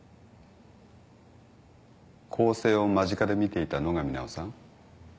更生を間近で見ていた野上奈緒さん。